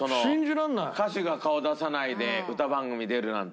歌手が顔出さないで歌番組出るなんて。